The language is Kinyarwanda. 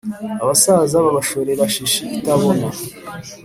abasaza babashorera shishi itabona